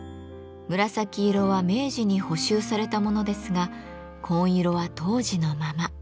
紫色は明治に補修された物ですが紺色は当時のまま。